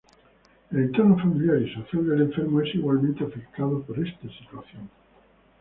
El entorno familiar y social del enfermo es igualmente afectado por esta situación.